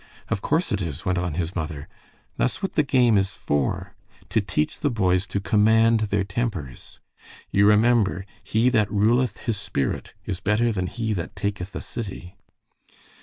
"Of course it is," went on his mother. "That's what the game is for, to teach the boys to command their tempers. You remember 'he that ruleth his spirit is better than he that taketh a city.'